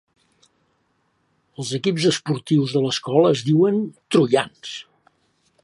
Els equips esportius de l'escola es diuen Troians.